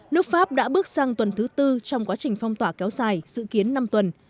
nước pháp đã bước sang tuần thứ tư trong quá trình phong tỏa kéo dài dự kiến năm tuần